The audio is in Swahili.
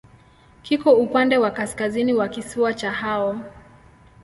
Kiko upande wa kaskazini wa kisiwa cha Hao.